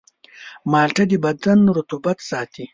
مالټه د بدن رطوبت ساتي.